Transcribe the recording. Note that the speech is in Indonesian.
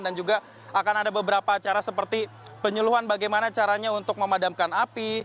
dan juga akan ada beberapa acara seperti penyuluhan bagaimana caranya untuk memadamkan api